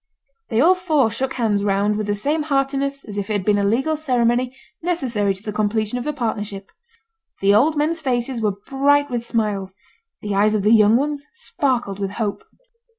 They all four shook hands round with the same heartiness as if it had been a legal ceremony necessary to the completion of the partnership. The old men's faces were bright with smiles; the eyes of the young ones sparkled with hope.